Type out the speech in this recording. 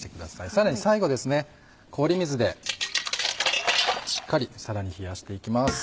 さらに最後氷水でしっかりさらに冷やしていきます。